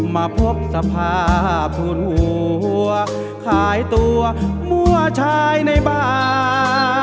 มาพบสภาพทุนหัวขายตัวมั่วชายในบา